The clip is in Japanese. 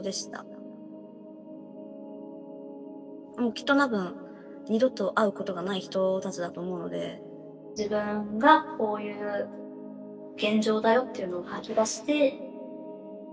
きっとたぶん二度と会うことがない人たちだと思うので自分がこういう現状だよっていうのを吐き出して知ってもらえたらと思います。